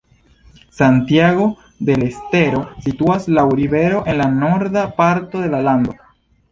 Santiago del Estero situas laŭ rivero en la norda parto de la lando.